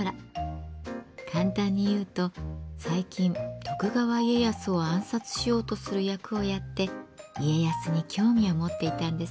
簡単に言うと最近徳川家康を暗殺しようとする役をやって家康に興味を持っていたんですって。